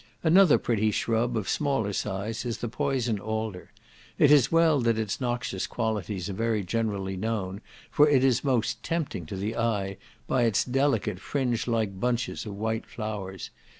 Another pretty shrub, of smaller size, is the poison alder. It is well that its noxious qualities are very generally known, for it is most tempting to the eye by its delicate fringe like bunches of white flowers.